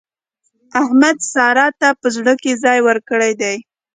احمد سارا ته په زړه کې ځای ورکړی دی.